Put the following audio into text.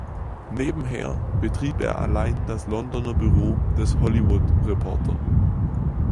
Nebenher betrieb er allein das Londoner Büro des „Hollywood Reporter“.